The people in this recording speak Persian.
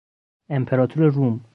امپراتور روم